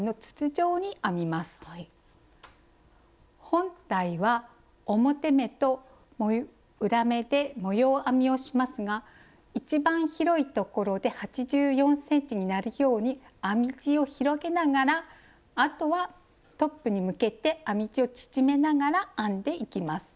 本体は表目と裏目で模様編みをしますが一番広いところで８４ｃｍになるように編み地を広げながらあとはトップに向けて編み地を縮めながら編んでいきます。